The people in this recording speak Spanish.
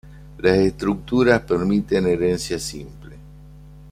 Las estructuras permiten herencia simple.